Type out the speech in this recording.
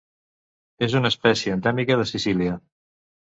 És una espècie endèmica de Sicília.